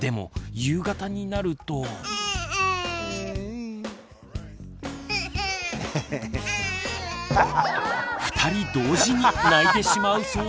二人同時に泣いてしまうそうです。